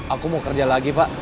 aku mau kerja lagi pak